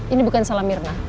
ini bukan salah mirna